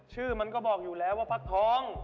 ชื่อมันก็บอกอยู่แล้วว่าฟักทอง